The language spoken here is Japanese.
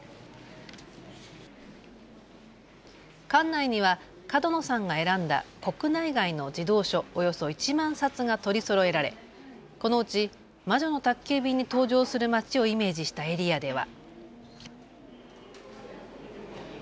館内には角野さんが選んだ国内外の児童書およそ１万冊が取りそろえられこのうち魔女の宅急便に登場する街をイメージしたエリアでは。